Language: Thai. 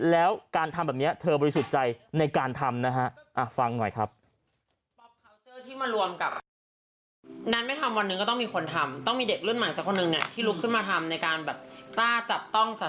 แล้วการทำแบบนี้เธอบริสุทธิ์ใจในการทำนะฮะฟังหน่อยครับ